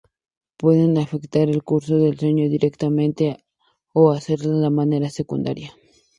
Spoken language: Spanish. Pueden afectar el curso del sueño directamente, o hacerlo de manera secundaria.